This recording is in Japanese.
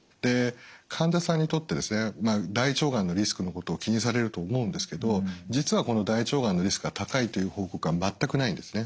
患者さんにとって大腸がんのリスクのことを気にされると思うんですけど実はこの大腸がんのリスクが高いという報告は全くないんですね。